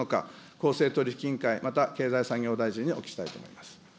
公正取引委員会、また経済産業大臣にお聞きしたいと思います。